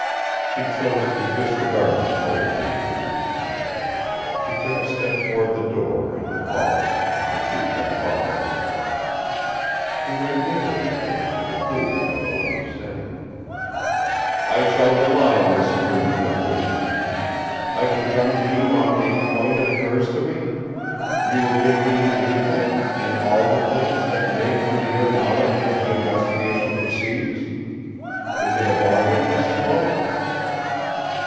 She chose to disregard the tone he had used. She took a step toward the door, and paused, to see that he followed her. He went nearer to her, to conclude what he had wanted to say: "I shall rely on this agreement between us: I can come to you on any point that occurs to me? You will give me anything, and all the things, that may come to your knowledge as the investigation proceeds? Is it a bargain, Miss Sloane?"